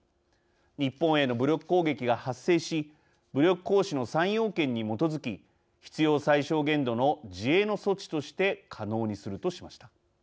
「日本への武力攻撃が発生し武力行使の３要件に基づき必要最小限度の自衛の措置として可能にする」としました。